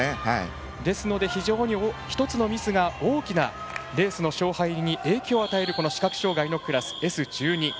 ですので、非常に１つのミスが大きなレースの勝敗に影響を与えるこの視覚障がいのクラスＳ１２。